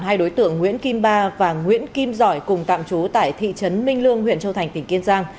hai đối tượng nguyễn kim ba và nguyễn kim giỏi cùng tạm trú tại thị trấn minh lương huyện châu thành tỉnh kiên giang